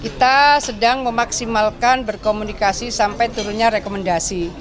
kita sedang memaksimalkan berkomunikasi sampai turunnya rekomendasi